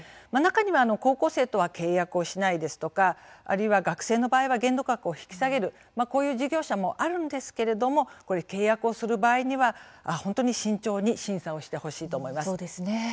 中には高校生とは契約しないですとか、あるいは学生の場合は限度額を引き下げるこういう事業者もあるんですけれども契約をする場合には本当に慎重に審査をしてほしいと思います。